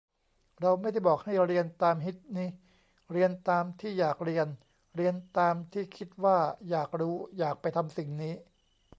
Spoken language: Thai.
เราไม่ได้บอกให้เรียนตามฮิตนิ เรียนตามที่อยากเรียน เรียนตามที่คิดว่าอยากรู้ อยากไปทำสิ่งนี้